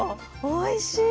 おいしい。